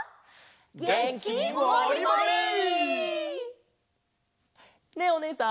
げんきモリモリ！ねえおねえさん。